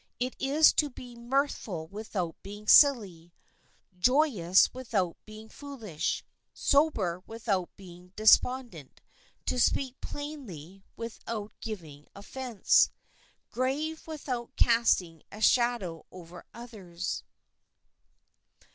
It is to be mirthful without being silly, joyous without being foolish, sober without being despondent, to speak plainly without giving offense, grave without casting a shadow over others.